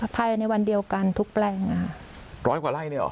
ภายในวันเดียวกันทุกแปลงอ่ะค่ะร้อยกว่าไร่เนี่ยเหรอ